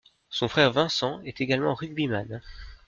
Son frère Vincent est également rugbyman.